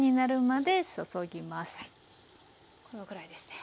このぐらいですね。